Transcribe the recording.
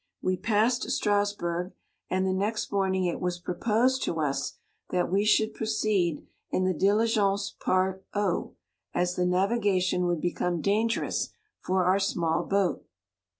We passed Strasburgh, and the next morning it 64 was proposed to us that we should proceed in the diligence par eati, as the navigation would become dangerous for our small boat.